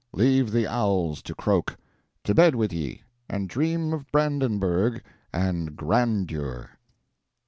Leave the owls to croak. To bed with ye, and dream of Brandenburgh and grandeur!"